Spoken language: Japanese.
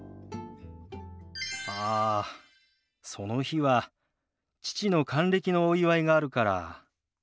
ああその日は父の還暦のお祝いがあるから無理だな。